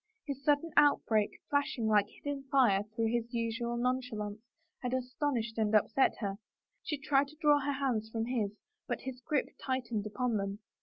His sudden outbreak, flashing like hidden fire through his usual nonchalance, had astonished and upset her ; she tried to draw her hands from his, but his grip tightened upon them.